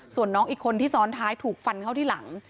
ส่วนน้องอีกคนที่ซ้อนท้ายถูกฟันเข้าที่หลัง